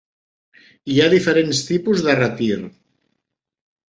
Hi ha diferents tipus de retir.